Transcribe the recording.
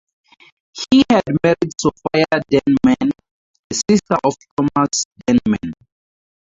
He had married Sophia Denman, the sister of Thomas Denman.